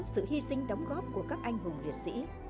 sự hy sinh đóng góp của các anh hùng liệt sĩ